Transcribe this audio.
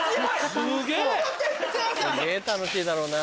すげぇ楽しいだろうな。